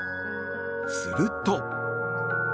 すると。